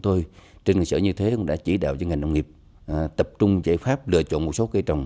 tôi trên sở như thế cũng đã chỉ đạo cho ngành nông nghiệp tập trung giải pháp lựa chọn một số cây trồng